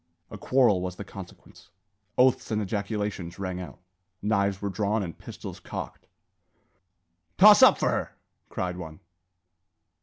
A quarrel was the consequence. Oaths and ejaculations rang out; knives were drawn and pistols cocked. "Toss up for her!" cried one.